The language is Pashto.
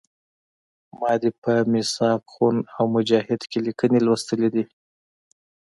ما دې په میثاق خون او مجاهد کې لیکنې لوستي دي.